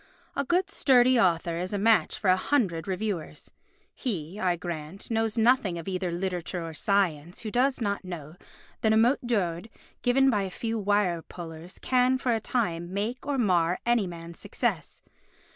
A good sturdy author is a match for a hundred reviewers. He, I grant, knows nothing of either literature or science who does not know that a mot d'ordre given by a few wire pullers can, for a time, make or mar any man's success.